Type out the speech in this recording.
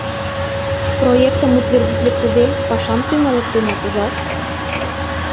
Проектым утвердитлыктыде, пашам тӱҥалыктенат, ужат?